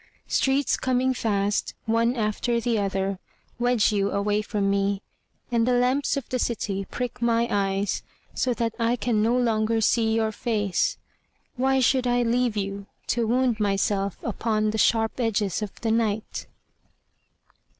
Streets coming fast, One after the other, Wedge you away from me, And the lamps of the city prick my eyes So that I can no longer see your face. Why should I leave you, To wound myself upon the sharp edges of the night?